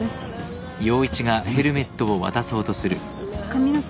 髪の毛。